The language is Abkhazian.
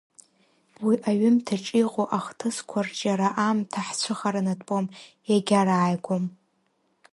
Уи аҩымҭаҿ иҟоу ахҭысқәа рҿиара аамҭа ҳцәыхаранатәуам, иагьарааигәом.